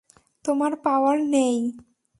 তোমার পাওয়ার নেই?